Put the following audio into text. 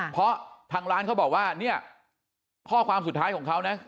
เพราะทางร้านเขาบอกว่าเนี่ยข้อความสุดท้ายของเขานะ